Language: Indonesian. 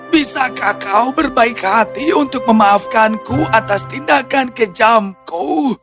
bisakah kau berbaik hati untuk memaafkanku atas tindakan kejamku